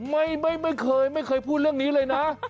ไม่เคยไม่เคยพูดเรื่องนี้เลยนะ